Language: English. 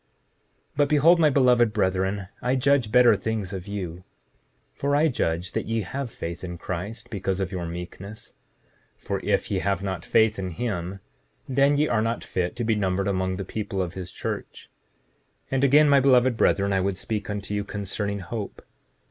7:39 But behold, my beloved brethren, I judge better things of you, for I judge that ye have faith in Christ because of your meekness; for if ye have not faith in him then ye are not fit to be numbered among the people of his church. 7:40 And again, my beloved brethren, I would speak unto you concerning hope.